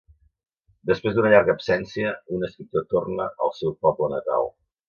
Després d'una llarga absència, un escriptor torna al seu poble natal.